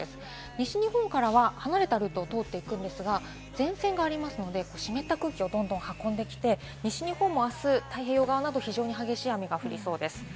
西日本からは離れているところを通っていきますが、前線がありますので湿った空気をどんどん運んできて、西日本もあす、太平洋側など非常に激しい雨が降りそうです。